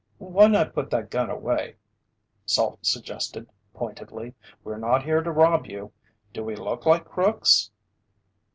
"Why not put that gun away?" Salt suggested pointedly. "We're not here to rob you. Do we look like crooks?"